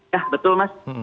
ya betul mas